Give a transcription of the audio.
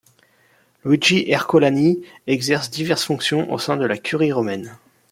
Luigi Ercolani exerce diverses fonctions au sein de la Curie romaine.